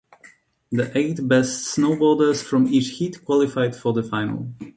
The eight best snowboarders from each heat qualified for the final.